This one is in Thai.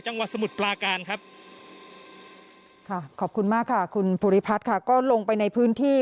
จังหวัดสมุดปลาการครับค่ะขอบคุณมากค่ะคุณผู้ชมค่ะก็ลงไปในพื้นที่